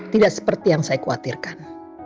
tidak seperti yang saya khawatirkan